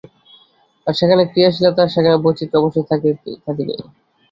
আর যেখানে ক্রিয়াশীলতা, সেখানে বৈচিত্র্য অবশ্যই থাকিবে।